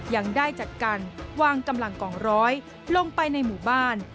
ยังได้จัดการวางกำลังกองร้อยลงไปในหมู่บ้าน